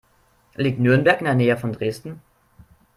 Liegt Nürnberg in der Nähe von Dresden?